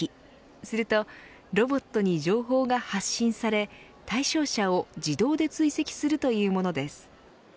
するとロボットに情報が発信され対象者を自動で追跡するというものです。